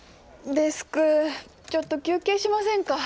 デスクちょっと休憩しませんか。